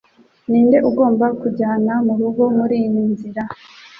Ninde ugomba kunjyana murugo muriyi nzira